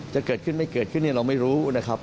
จะเกิดขึ้นไม่เกิดขึ้นเนี่ยเราไม่รู้นะครับ